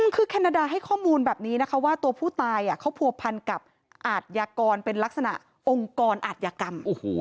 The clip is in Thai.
คือแคนาดาให้ข้อมูลแบบนี้นะคะว่าตัวผู้ตายเขาผัวพันกับอาทยากรเป็นลักษณะองค์กรอาธิกรรม